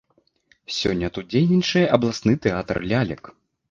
Сёння тут дзейнічае абласны тэатр лялек.